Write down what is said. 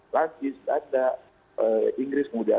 latif tanda inggris muda